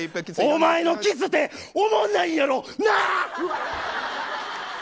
おまえのキスっておもんないやろうな。